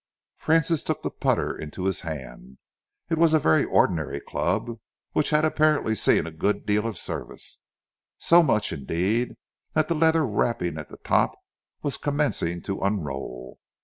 Francis took the putter into his hand. It was a very ordinary club, which had apparently seen a good deal of service, so much, indeed, that the leather wrapping at the top was commencing to unroll.